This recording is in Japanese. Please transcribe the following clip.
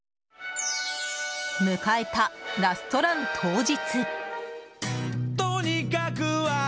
迎えたラストラン当日。